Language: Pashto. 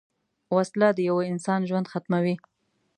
وسله د یوه انسان ژوند ختموي